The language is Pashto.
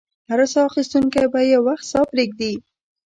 هر ساه اخیستونکی به یو وخت ساه پرېږدي.